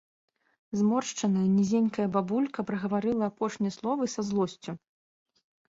Зморшчаная, нізенькая бабулька прагаварыла апошнія словы са злосцю.